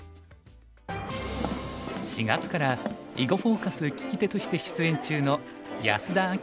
４月から「囲碁フォーカス」聞き手として出演中の安田明